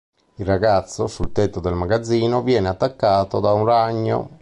Il ragazzo, sul tetto del magazzino, viene attaccato da un ragno.